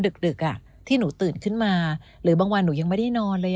ดึกที่หนูตื่นขึ้นมาหรือบางวันหนูยังไม่ได้นอนเลย